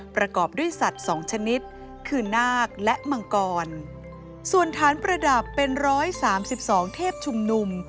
ประกอบด้วยสัตว์สองชนิดคือนาคและมังกรส่วนฐานประดับเป็นร้อยสามสิบสองเทพชุมนุม